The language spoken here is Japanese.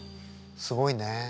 すごいね。